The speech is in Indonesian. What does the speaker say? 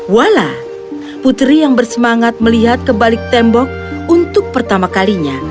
wala putri yang bersemangat melihat kebalik tembok untuk pertama kalinya